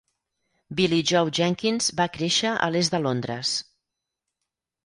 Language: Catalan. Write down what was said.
Billie-Jo Jenkins va créixer a l'est de Londres.